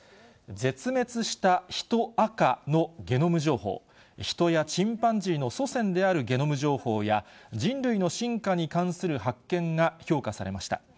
絶滅したヒト亜科のゲノム情報、ヒトやチンパンジーの祖先であるゲノム情報や、人類の進化に関する発見が評価されました。